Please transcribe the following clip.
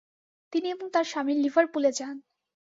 তিনি এবং তার স্বামী লিভারপুলে যান।